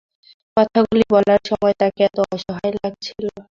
কথাগুলি বলার সময় তাকে এত অসহায় লাগছিল!